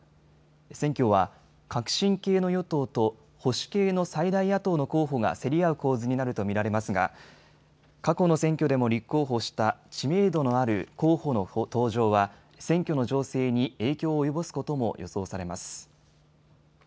選挙は革新系の与党と保守系の最大野党の候補が競り合う構図になると見られますが過去の選挙でも立候補した知名度のある候補の登場は選挙の情勢に影響を及ぼすことも予想されます。